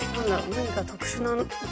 何か特殊なお寺？